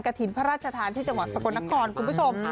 ถิ่นพระราชทานที่จังหวัดสกลนครคุณผู้ชม